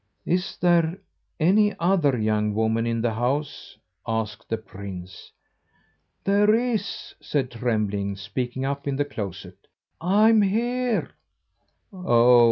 "Is there any other young woman in the house?" asked the prince. "There is," said Trembling, speaking up in the closet; "I'm here." "Oh!